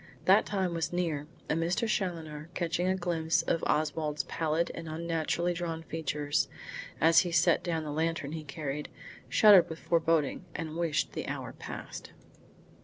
That time was near, and Mr. Challoner, catching a glimpse of Oswald's pallid and unnaturally drawn features, as he set down the lantern he carried, shuddered with foreboding and wished the hour passed.